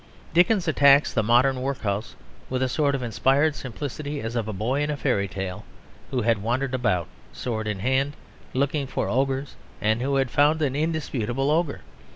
Dickens attacks the modern workhouse with a sort of inspired simplicity as of a boy in a fairy tale who had wandered about, sword in hand, looking for ogres and who had found an indisputable ogre.